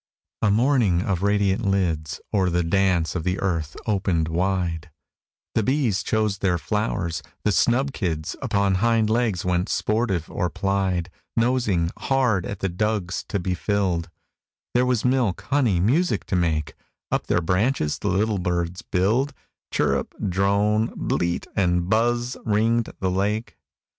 A morning of radiant lids O'er the dance of the earth opened wide; The bees chose their flowers, the snub kids Upon hind legs went sportive, or plied, Nosing, hard at the dugs to be filled; There was milk, honey, music to make; Up their branches the little birds billed; Chirrup, drone, bleat, and buzz ringed the lake.